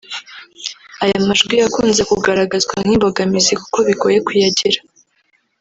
Aya majwi yakunze kugaragazwa nk’imbogamizi kuko bigoye kuyagira